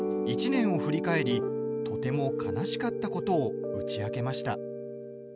１年を振り返りとても悲しかったことを打ち明けました。